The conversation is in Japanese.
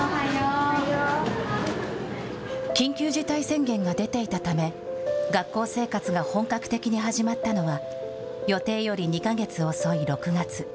緊急事態宣言が出ていたため、学校生活が本格的に始まったのは、予定より２か月遅い６月。